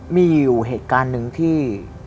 มีอยู่เหตุการณ์หนึ่งที่